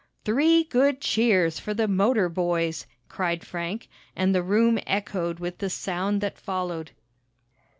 "Three good cheers for the motor boys!" cried Frank, and the room echoed with the sound that followed.